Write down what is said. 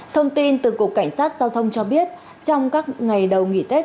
thông tin từ cục cảnh sát giao thông cho biết trong các ngày đầu nghỉ tết